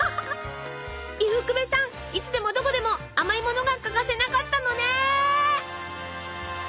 伊福部さんいつでもどこでも甘いものが欠かせなかったのね！